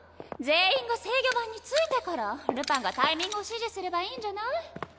全員が制御盤に着いてからルパンがタイミングを指示すればいいんじゃない？